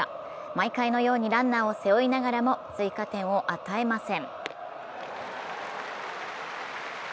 毎回のようにランナーを背負いながらも追加点を与えません。